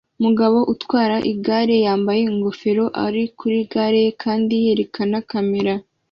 Umugabo utwara amagare yambaye ingofero ari kuri gare ye kandi yerekana kamera